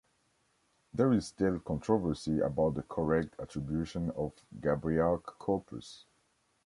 There is still controversy about the correct attribution of Gabriak's corpus.